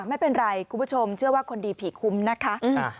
ไม่เป็นไรคุณผู้ชมเชื่อว่าคนดีผีคุ้มนะคะ